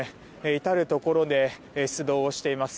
至るところで出動をしています。